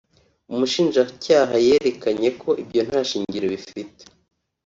umushinjacyaha yerekanye ko ibyo nta shingiro bifite